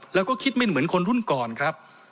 แล้วก็คิดไม่เหมือนคนรุ่นก่อนครับ